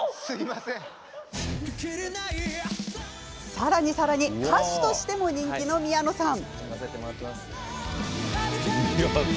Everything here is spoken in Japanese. さらに、さらに歌手としても人気の宮野さん。